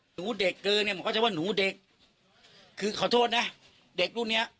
หนูเด็กเกินเนี่ยหนูก็จะว่าหนูเด็กคือขอโทษนะเด็กรุ่นเนี้ย